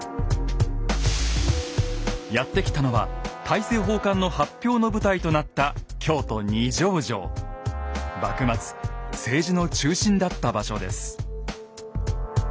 やって来たのは大政奉還の発表の舞台となった幕末政治の中心だった場所です。